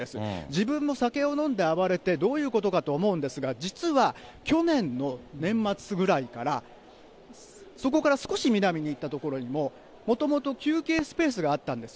自分も酒を飲んで暴れて、どういうことかと思うんですが、実は去年の年末ぐらいから、そこから少し南に行った所にも、もともと休憩スペースがあったんです。